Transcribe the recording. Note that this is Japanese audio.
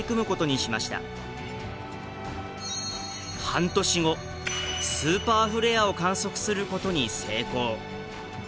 半年後スーパーフレアを観測することに成功。